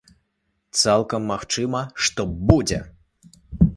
Цалкам магчыма, што будзе.